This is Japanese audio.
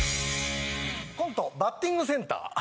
コント「バッティングセンター」